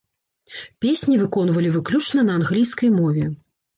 Песні выконвалі выключна на англійскай мове.